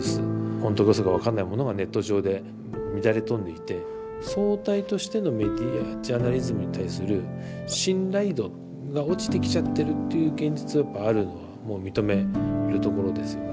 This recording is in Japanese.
ほんとかうそか分かんないものがネット上で乱れ飛んでいて総体としてのメディアジャーナリズムに対する信頼度が落ちてきちゃってるっていう現実がやっぱあるのはもう認めるところですよね。